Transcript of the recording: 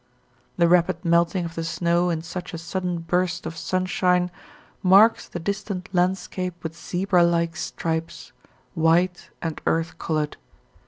The rapid melting of the snow in such a sudden burst of sunshine marks the distant landscape with zebra like stripes, white and earth coloured.